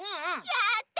やった！